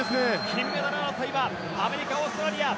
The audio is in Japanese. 金メダル争いはアメリカ、オーストラリア。